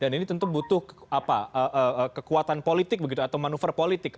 dan ini tentu butuh kekuatan politik atau manuver politik